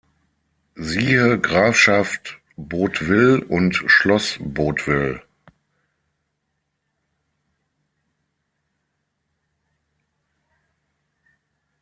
Siehe Grafschaft Bouteville und Schloss Bouteville.